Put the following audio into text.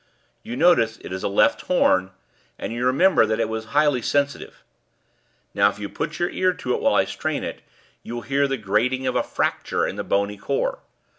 "You notice it is a left horn, and you remember that it was highly sensitive. If you put your ear to it while I strain it, you will hear the grating of a fracture in the bony core.